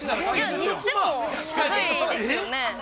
にしても高いですよね。